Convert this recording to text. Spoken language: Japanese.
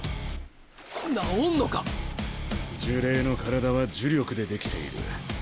呪霊の体は呪力でできている。